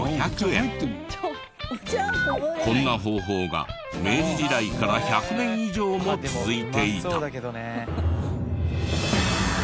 こんな方法が明治時代から１００年以上も続いていた。